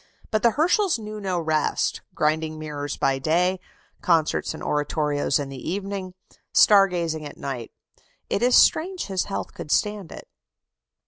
But the Herschels knew no rest. Grinding mirrors by day, concerts and oratorios in the evening, star gazing at night. It is strange his health could stand it.